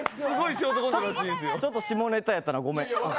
ちょっと下ネタやったな、ごめん。